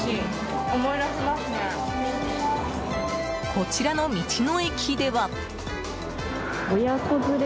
こちらの道の駅では。